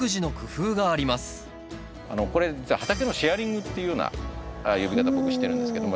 これ実は畑のシェアリングっていうような呼び方僕してるんですけども。